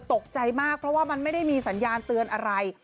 ตกใจมากเพราะว่ามันไม่ได้มีสัญญาณเตือนอะไร